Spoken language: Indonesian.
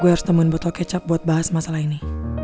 gue harus temuin botol kecap buat bahas masalah ini